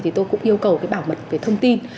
thì tôi cũng yêu cầu cái bảo mật về thông tin